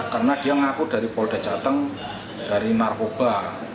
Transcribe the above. karena dia mengaku dari polda jateng dari narkoba